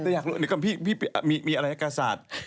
แต่อยากรู้นึกว่าพี่มีอะไรกษัตริย์